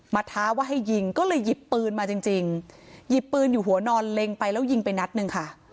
ท้าว่าให้ยิงก็เลยหยิบปืนมาจริงจริงหยิบปืนอยู่หัวนอนเล็งไปแล้วยิงไปนัดหนึ่งค่ะ